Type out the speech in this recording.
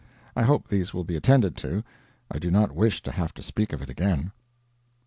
I hope these will be attended to; I do not wish to have to speak of it again.